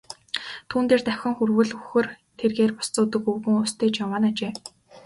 Түүн дээр давхин хүрвэл үхэр тэргээр ус зөөдөг өвгөн ус тээж яваа нь ажээ.